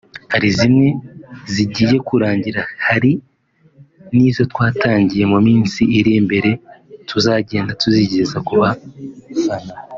Hari zimwe zigiye kurangira hari n’izo twatangiye mu minsi iri imbere tuzagenda tuzigeza ku bafana”